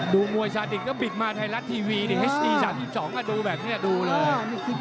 ดูมวยสาดิตก็บิดมาไทยรัฐทีวีนี่เฮสดี๓๒ดูแบบนี้ดูเลย